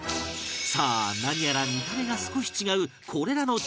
さあ何やら見た目が少し違うこれらのチーズ